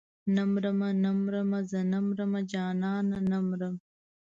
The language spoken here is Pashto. نه مرمه نه مرمه زه نه مرمه جانانه نه مرم.